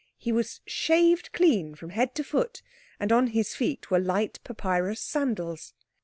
He was shaved clean from head to foot, and on his feet were light papyrus sandals.